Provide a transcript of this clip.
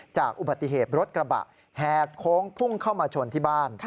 จากอุบัติเหตุรถกระบะแหกโค้งพุ่งเข้ามาชนที่บ้าน